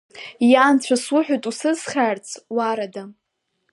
Иа, Анцәа, суҳәоит усыцхыраарц, уаа-рада!